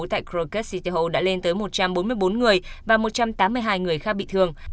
tại crocod city hậu đã lên tới một trăm bốn mươi bốn người và một trăm tám mươi hai người khác bị thương